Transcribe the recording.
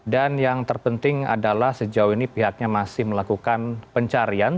dan yang terpenting adalah sejauh ini pihaknya masih melakukan pencarian